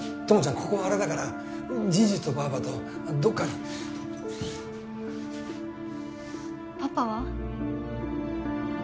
ここはあれだからじいじとばあばとどっかにパパは？